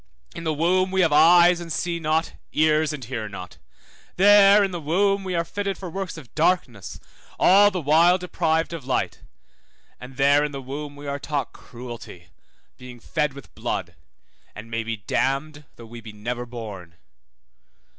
In the womb we have eyes and see not, ears and hear not. There in the womb we are fitted for works of darkness, all the while deprived of light; and there in the womb we are taught cruelty, by being fed with blood, and may be damned, though we be never born.